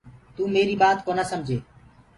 تو ميريٚ ٻآت ڪونآ سمجي۔